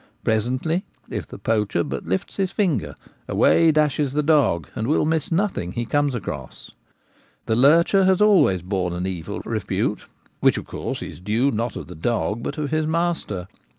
Presently, if the poacher but lifts his finger, away dashes the dog, and will miss nothing he comes across. The lurcher has always borne an evil repute, which of course is the due not of the dog but of his master.